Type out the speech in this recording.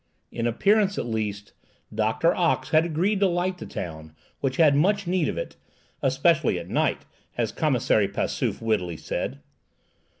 In appearance, at least, Doctor Ox had agreed to light the town, which had much need of it, "especially at night," as Commissary Passauf wittily said.